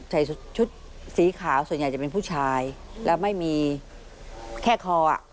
ใส่ชุดสีขาวส่วนใหญ่จะเป็นผู้ชายแล้วไม่มีแค่คออ่ะ